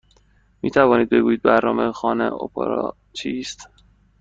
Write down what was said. می توانید بگویید برنامه خانه اپرا چیست؟